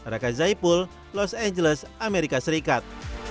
raka zaipul los angeles amerika serikat